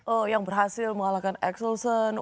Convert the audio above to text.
oh yang berhasil mengalahkan axelsen